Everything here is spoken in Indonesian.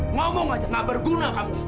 ngomong aja gak berguna kamu